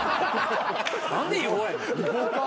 何で違法やねん。